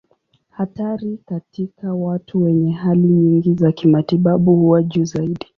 Hatari katika watu wenye hali nyingi za kimatibabu huwa juu zaidi.